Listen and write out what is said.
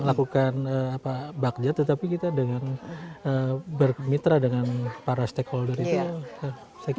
lakukan apa bakjat tetapi kita dengan bermitra dengan para stakeholder itu